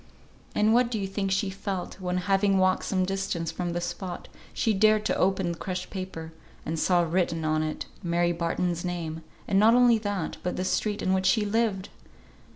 And what do you think she felt, when, having walked some distance from the spot, she dared to open the crushed paper, and saw written on it Mary Barton's name, and not only that, but the street in which she lived!